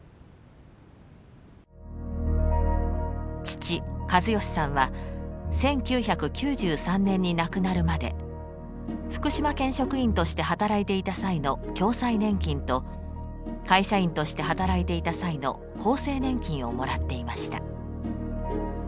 父・計義さんは１９９３年に亡くなるまで福島県職員として働いていた際の共済年金と会社員として働いていた際の厚生年金をもらっていました。